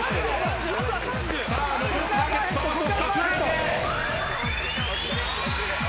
さあ残るターゲットあと２つ。